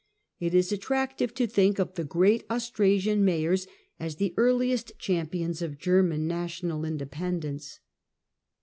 It is attractive to think of the great Austrasian Mayors as the earliest champions of German national independence.